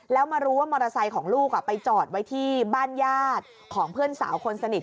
แล้วมารู้ว่ามอเตอร์ไซค์ของลูกไปจอดไว้ที่บ้านญาติของเพื่อนสาวคนสนิท